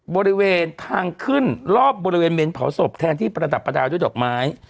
บริเวณทางขึ้นรอบบริเวณเมนเผาศพแทนที่ประดับประดาษด้วยดอกไม้